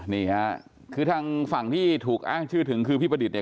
นี่ค่ะคือทางฝั่งที่ถูกอ้างชื่อถึงคือพี่ประดิษฐ์เนี่ย